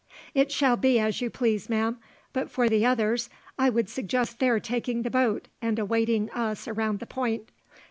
"It shall be as you please, ma'am. But, for the others, I would suggest their taking the boat and awaiting us around the point.